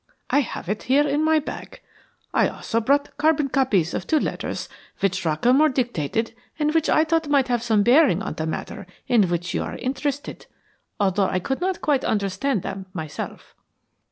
I have it here in my bag. I also brought carbon copies of two letters which Mr. Rockamore dictated and which I thought might have some bearing on the matter in which you are interested although I could not quite understand them myself."